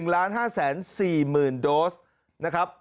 ๑ล้าน๕๔๐๐๐๐โดสนะครับ